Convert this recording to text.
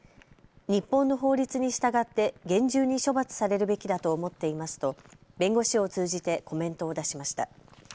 日本の法律に従って厳重に処罰されるべきだと思っていますと弁護士を通じてコメントを出しました。